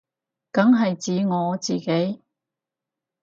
梗係指我自己